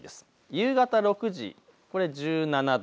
夕方６時、１７度。